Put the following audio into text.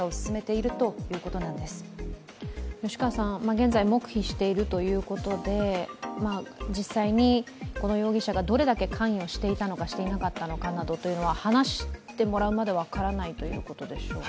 現在、黙秘しているということで実際にこの容疑者がどれだけ関与していたのか、していなかったなどというのは話してもらうまで分からないということでしょうか。